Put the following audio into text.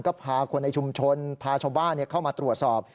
ก็พาคนในชุมชนพาชาวบ้านเข้ามาตรวจสอบ